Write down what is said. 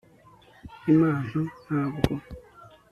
impano ntabwo